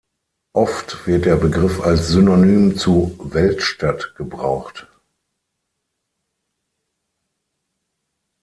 Oft wird der Begriff als Synonym zu "Weltstadt" gebraucht.